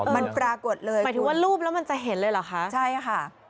มันปรากฏเลยหมายถึงว่ารูปแล้วมันจะเห็นเลยเหรอคะใช่ค่ะ